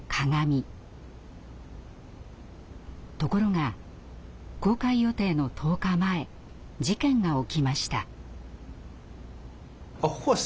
ところが公開予定の１０日前事件が起きました。